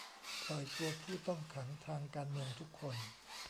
ปล่อยตัวผู้ต้องขังทางการเมืองทุกคน